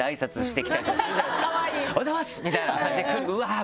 「おはようございます！」みたいな感じで来るうわぁ